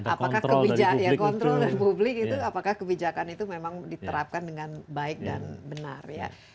apakah kontrol dari publik itu apakah kebijakan itu memang diterapkan dengan baik dan benar ya